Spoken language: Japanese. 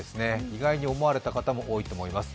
意外に思われた方も多いと思います。